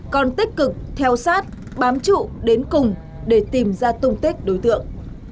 còn tích cực theo sát bám trụ đến cùng để tìm ra tung tích đối tượng